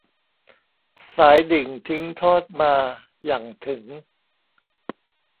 สายดิ่งทิ้งทอดมา หยั่งถึง